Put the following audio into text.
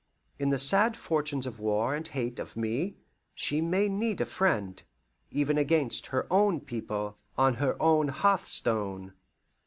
In the sad fortunes of war and hate of me, she may need a friend even against her own people, on her own hearthstone."